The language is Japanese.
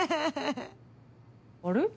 あれ？